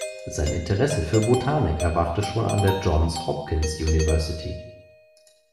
Sein Interesse für Botanik erwachte schon an der Johns Hopkins University.